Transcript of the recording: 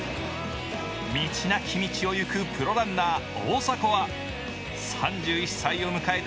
道なき道を行くプロランナー大迫は３１歳を迎えた